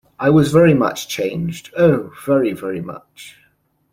I was very much changed — oh, very, very much.